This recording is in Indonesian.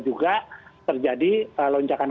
juga terjadi lonjakan